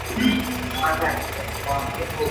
ქვეყანაში კი მაშინვე სამოქალაქო ომი დაიწყო.